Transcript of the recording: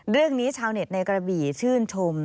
เรื่องนี้ชาวเน็ตในกระบี่ชื่นชม